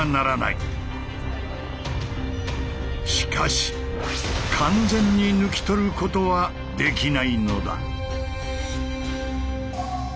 しかし完全に抜き取ることはできないのだ。